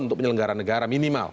untuk penyelenggara negara minimal